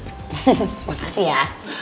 hehehe makasih ya